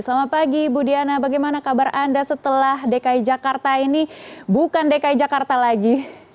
selamat pagi ibu diana bagaimana kabar anda setelah dki jakarta ini bukan dki jakarta lagi